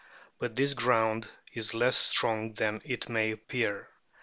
But this ground is less strong than it may appear.